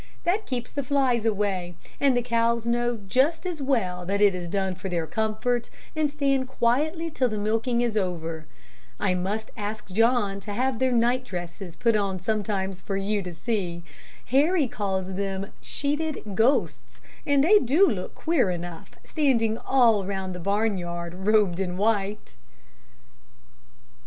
That keeps the flies away, and the cows know just as well that it is done for their comfort, and stand quietly till the milking is over. I must ask John to have their nightdresses put on sometimes for you to see. Harry calls them 'sheeted ghosts,' and they do look queer enough standing all round the barnyard robed in white."